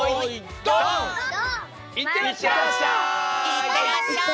いってらっしゃい！